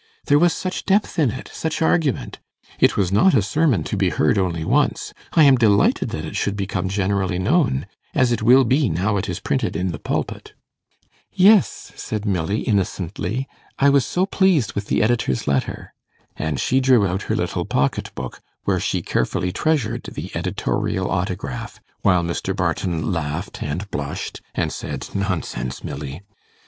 There was such depth in it! such argument! It was not a sermon to be heard only once. I am delighted that it should become generally known, as it will be now it is printed in "The Pulpit."' 'Yes,' said Milly, innocently, 'I was so pleased with the editor's letter.' And she drew out her little pocket book, where she carefully treasured the editorial autograph, while Mr. Barton laughed and blushed, and said, 'Nonsense, Milly!